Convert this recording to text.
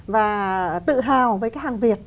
và tự hào với cái hàng việt